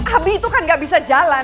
abi itu kan gak bisa jalan